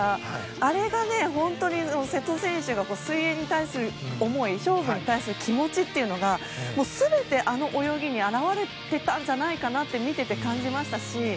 あれが本当に瀬戸選手の水泳に対する思い勝負に対する気持ちというのが全てあの泳ぎに表れていたんじゃないかと見ていて感じましたし。